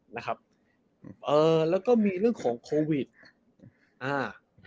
นะครับเอ่อแล้วก็มีเรื่องของโควิดอ่า